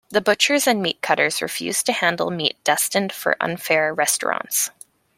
The butchers and meat cutters refused to handle meat destined for unfair restaurants.